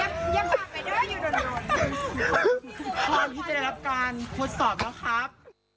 พร้อมที่จะได้รับการทดสอบแล้วครับ